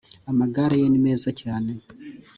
amagare ye nimeza cyane